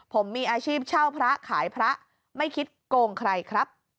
ผมมีอาชีพเช่าพระขายพระไม่คิดโกงใครครับ